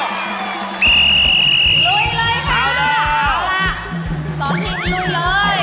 ลุยเลยค่ะเอาล่ะ๒ทีมลุยเลย